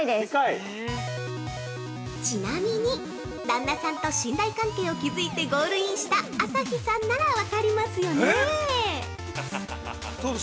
◆ちなみに旦那さんと信頼関係を築いてゴールインした朝日さんならわかりますよね？